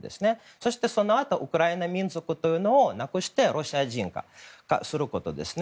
そして、そのあとウクライナ民族をなくしてロシア人化することですね。